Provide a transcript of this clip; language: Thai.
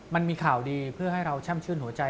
มันมีข่าวดีเพื่อให้เราแช่มชื่นหัวใจ